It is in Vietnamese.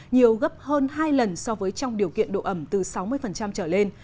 nhiều gấp hơn hai lần so với trong điều kiện độ ẩm từ sáu mươi trở lên